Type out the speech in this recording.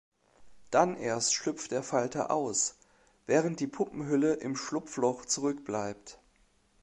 Dann erst schlüpft der Falter aus, während die Puppenhülle im Schlupfloch zurückbleibt.